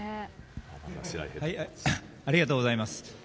ありがとうございます。